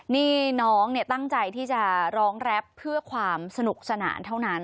นี่น้องตั้งใจที่จะร้องแรปเพื่อความสนุกสนานเท่านั้น